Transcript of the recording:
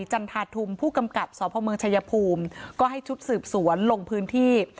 จันทาธุมผู้กำกับสพเมืองชายภูมิก็ให้ชุดสืบสวนลงพื้นที่